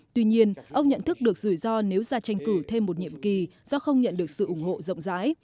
tuy nhiên ông nhận thức được rủi ro nếu ra tranh cử thêm một nhiệm kỳ do không nhận được sự ủng hộ rộng rãi